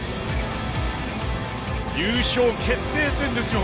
優勝決定戦ですよ。